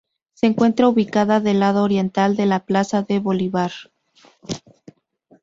Se encuentra ubicada del lado oriental de la Plaza de Bolívar.